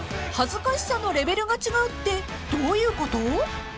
［恥ずかしさのレベルが違うってどういうこと？］